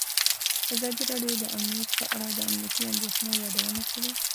ازادي راډیو د امنیت په اړه د امنیتي اندېښنو یادونه کړې.